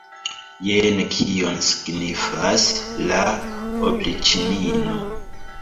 Jen kion signifas la opriĉnino!